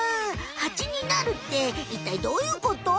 ハチになるっていったいどういうこと？